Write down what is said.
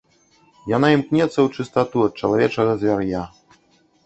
Яна імкнецца ў чыстату ад чалавечага звяр'я.